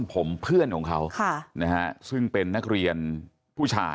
ผมเพื่อนของเขาค่ะนะฮะซึ่งเป็นนักเครียนผู้ใช้